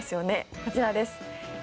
こちらです。